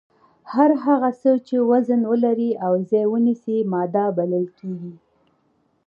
هر هغه څه چې وزن ولري او ځای ونیسي ماده بلل کیږي.